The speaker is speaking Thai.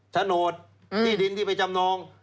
โฉนดที่ดินที่ไปจำนอง